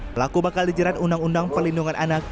pelaku bakal dijerat undang undang pelindungan anak